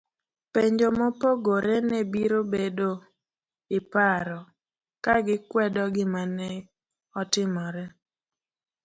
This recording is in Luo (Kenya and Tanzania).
penjo mopogore ne biro negi iparo, kagikwedo gimane otimore